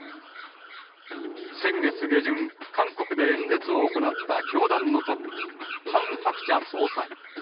先月下旬、韓国で演説を行った教団のトップ、ハン・ハクチャ総裁。